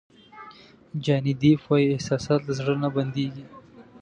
جاني دیپ وایي احساسات له زړه نه بندېږي.